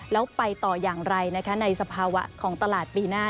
แล้วไปต่ออย่างไรนะคะในสภาวะของตลาดปีหน้า